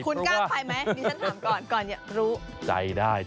คุณกล้าไปไหมดิฉันถามก่อนอย่ารู้